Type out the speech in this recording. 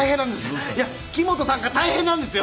いや木元さんが大変なんですよ！